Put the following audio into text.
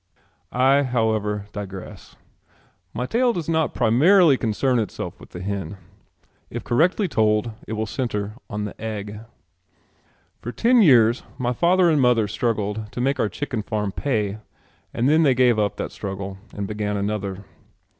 I, however, digress. My tale does not primarily concern itself with the hen. If correctly told it will centre on the egg. For ten years my father and mother struggled to make our chicken farm pay and then they gave up that struggle and began another.